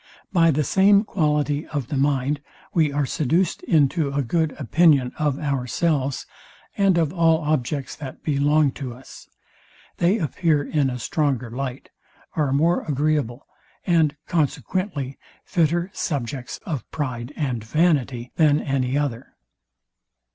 By the same quality of the mind we are seduced into a good opinion of ourselves, and of all objects, that belong to us. They appear in a stronger light; are more agreeable; and consequently fitter subjects of pride and vanity, than any other.